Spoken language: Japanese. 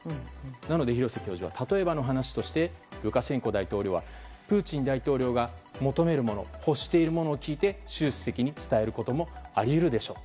なので、廣瀬教授は例えばの話としてルカシェンコ大統領はプーチン大統領が求めるもの欲しているものを聞いて習主席に伝えることもあり得るでしょう。